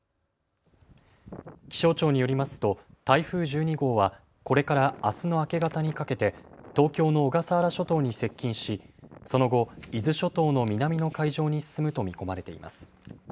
気象庁によりますと台風１２号はこれからあすの明け方にかけて東京の小笠原諸島に接近しその後、伊豆諸島の南の海上に進むと見込まれています。